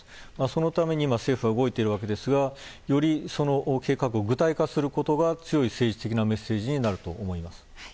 そのために今、政府は動いているわけですがその計画をより具体化することが強い政治的なメッセージになると思います。